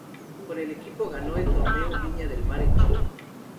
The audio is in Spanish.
Con el equipo ganó el Torneo Viña del Mar, en Chile.